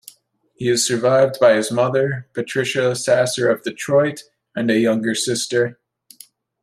He is survived by his mother, Patricia Sasser of Detroit, and a younger sister.